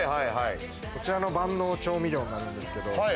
こちらの万能調味料になるんですけど。